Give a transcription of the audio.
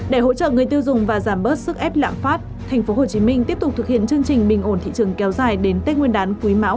để hỗ trợ người tiêu dùng và giảm bớt sức ép lạm phát tp hcm tiếp tục thực hiện chương trình bình ổn thị trường kéo dài đến tết nguyên đán cuối mão hai nghìn hai mươi ba